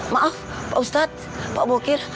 maaf pak ustadz pak bokir